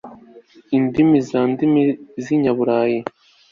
ndimi za ndimi z'inyaburayi